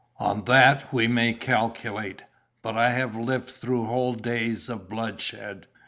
"On that we may calculate; but I have lived through whole days of bloodshed!